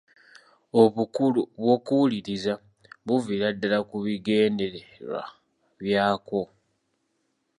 Obukulu bw'okuwuliriza buviira ddala ku bigendererwa byakwo .